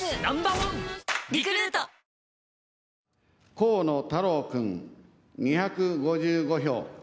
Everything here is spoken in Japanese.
河野太郎君、２５５票。